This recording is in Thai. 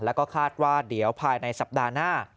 แล้วก็คาดว่าเดี๋ยวภายในสัปดาห์หน้า